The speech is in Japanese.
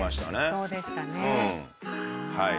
そうでしたねはい。